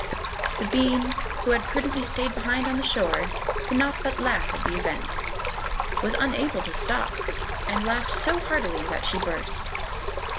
The bean, who had prudently stayed behind on the shore, could not but laugh at the event, was unable to stop, and laughed so heartily that she burst.